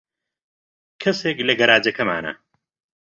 کەسێک لە گەراجەکەمانە.